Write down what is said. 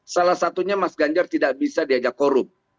salah satunya mas ganjar tidak bisa diajak korup